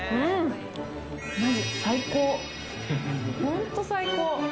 本当最高！